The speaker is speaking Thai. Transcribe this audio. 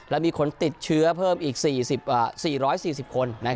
และมีคนติดเชื้อเพิ่มอีก๔๔๐คน